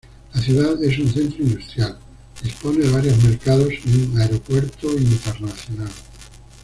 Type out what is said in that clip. La ciudad es un centro industrial, dispone de varios mercados y un aeropuerto internacional.